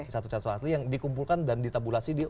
c satu c satu asli yang dikumpulkan dan ditabulasi